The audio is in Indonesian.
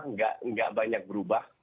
nggak banyak berubah